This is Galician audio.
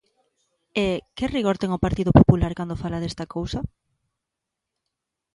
E, ¿que rigor ten o Partido Popular cando fala desta cousas?